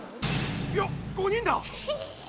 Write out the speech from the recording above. いや５人だ！